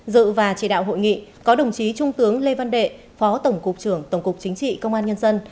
dự và chỉ đạo hội nghị có đồng chí trung tướng lê văn đệ phó tổng cục trưởng tổng cục chính trị công an nhân dân